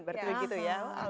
berarti begitu ya